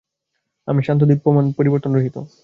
আমি শান্ত, দীপ্যমান, পরিবর্তন-রহিত।